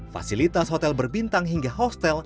fasilitas hotel berbintang hingga hostel